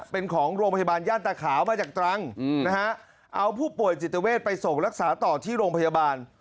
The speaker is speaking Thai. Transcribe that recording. เป็นของโรงพยาบาลย่านตาขาวมาจากตรังนะฮะเอาผู้ป่วยจิตเวทไปส่งรักษาต่อที่โรงพยาบาล